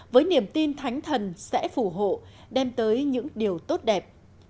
với niềm tin thánh thần sẽ phủ hộ đem tới những điều tốt đẹp